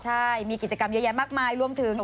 ใช่มีกิจกรรมเยอะแยะมากมายรวมถึง